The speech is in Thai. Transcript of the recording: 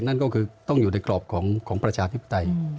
นั่นก็คือต้องอยู่ในกรอบของประชาธิปไตย